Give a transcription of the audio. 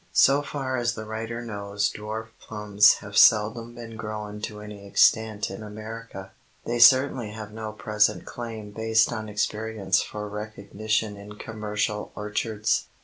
So far as the writer knows dwarf plums have seldom been grown to any extent in America. They certainly have no present claim based on experience for recognition in commercial orchards.